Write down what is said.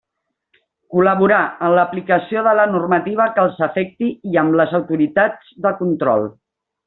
Col·laborar en l'aplicació de la normativa que els afecti i amb les autoritats de control.